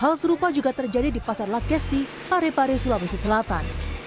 hal serupa juga terjadi di pasar lakesi parepare sulawesi selatan